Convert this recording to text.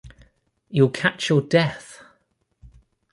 You’ll catch your death.